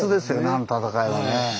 あの戦いはね。